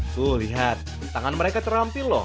tuh lihat tangan mereka terampil loh